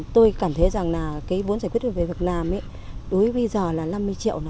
tôi cảm thấy rằng vốn giải quyết việc làm đối với bây giờ là năm mươi triệu